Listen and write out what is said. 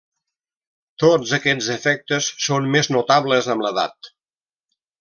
Tots aquests efectes són més notables amb l'edat.